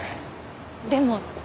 でも。